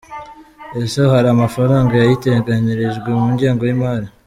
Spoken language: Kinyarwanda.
Ese hari amafaranga yayiteganirijwe mu ngengo y’imari ?